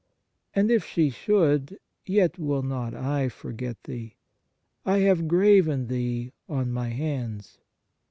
And if she should, yet will not I forget thee. I have graven thee on My hands."